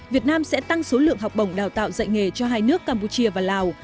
việt nam sẽ tăng số lượng học bổng đào tạo dạy nghề cho hai nước campuchia và lào